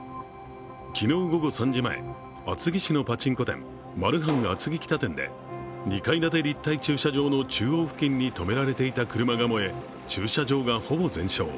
昨日午後３時前、厚木市のパチンコ店マルハン厚木北店で、２階建て立体駐車場の中央付近に止めてあった車から火が出て駐車場がほぼ全焼。